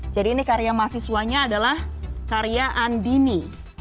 jadi ini karya mahasiswanya adalah karya andini